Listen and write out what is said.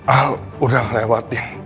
aku udah lewatin